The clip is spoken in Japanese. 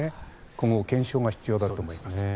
今後、検証が必要だろうと思います。